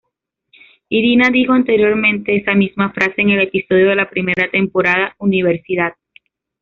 Irina dijo anteriormente esa misma frase en el episodio de la primera temporada "Universidad".